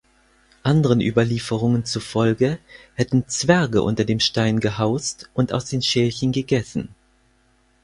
Anderen Überlieferungen zufolge hätten Zwerge unter dem Stein gehaust und aus den Schälchen gegessen.